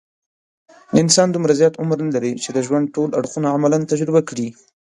انسان دومره زیات عمر نه لري، چې د ژوند ټول اړخونه عملاً تجربه کړي.